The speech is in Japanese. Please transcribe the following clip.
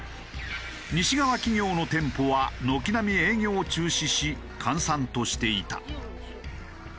西側企業の店舗は軒並み営業を中止し閑散としていた。